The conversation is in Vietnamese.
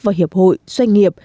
và hiệp hội doanh nghiệp